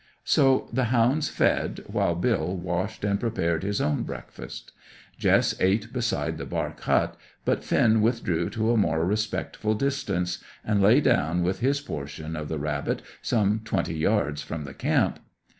So the hounds fed, while Bill washed and prepared his own breakfast. Jess ate beside the bark hut, but Finn withdrew to a more respectful distance, and lay down with his portion of the rabbit some twenty yards from the camp.